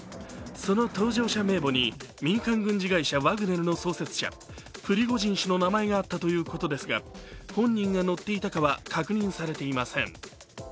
その搭乗者名簿に民間軍事会社ワグネル創設者、プリゴジン氏の名前があったということですが本人が乗っていたかは確認されていません。